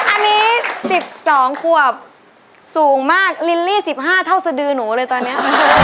อันนี้๑๒ขวบสูงมากลิลลี่๑๕เท่าสดือหนูเลยตอนนี้